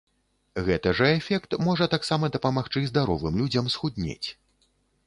Гэты жа эфект можа таксама дапамагчы здаровым людзям схуднець.